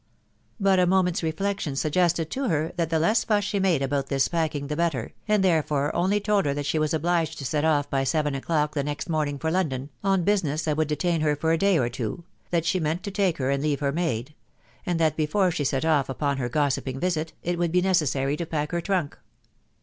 • But a moment's reflection suggested to her that the less fuss she made about this packing the better, and therefore only told her that she was obliged to set off by seven o'clock the next morning for London, on business that would detain her for a day or two •.•. that she meant to take her, and leave her maid ; and that before she set off upon her gossiping visit, it would be necessary to pack her trunk.